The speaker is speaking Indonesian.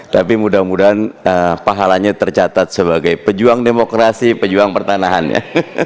tapi mudah mudahan pahalanya tercatat sebagai pejuang demokrasi pejuang pertanahannya